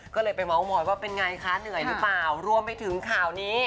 ก็เลยไปเมาส์มอยว่าเป็นไงคะเหนื่อยหรือเปล่ารวมไปถึงข่าวนี้